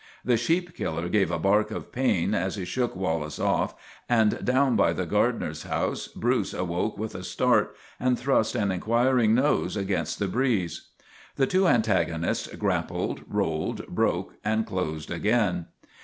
The sheep killer gave a bark of pain as he shook Wal lace off, and down by the gardener's house Bruce awoke with a start and thrust an inquiring nose against the breeze. The two antagonists grappled, rolled, broke, and closed again.